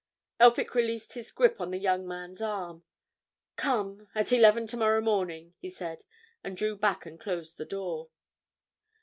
Elphick released his grip on the young man's arm. "Come—at eleven tomorrow morning," he said, and drew back and closed the door.